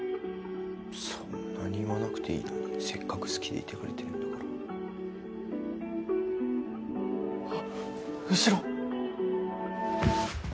そんなに言わなくていいのにせっかく好きでいてくれてるんだからあっ後ろ！